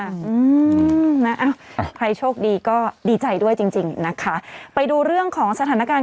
อืมนะอ้าวใครโชคดีก็ดีใจด้วยจริงจริงนะคะไปดูเรื่องของสถานการณ์